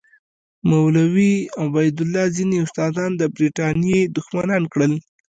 مولوي عبیدالله ځینې استادان د برټانیې دښمنان کړل.